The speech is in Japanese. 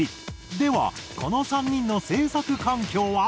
ではこの３人の制作環境は？